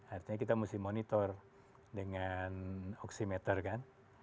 artinya kita mesti monitor dengan oksimeter kan